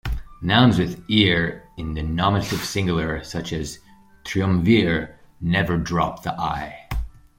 Nouns with "-ir" in the nominative singular, such as "triumvir", never drop the "i".